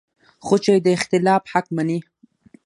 خو چې د اختلاف حق مني